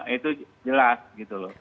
itu jelas gitu loh